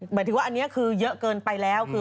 หมายถึงว่าอันนี้คือเยอะเกินไปแล้วคือ